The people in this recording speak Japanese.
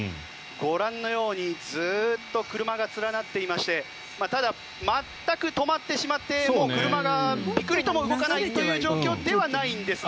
ご覧のようにずっと車が連なっていましてただ、全く止まってしまってもう車がピクリとも動かないという状況ではないんですが。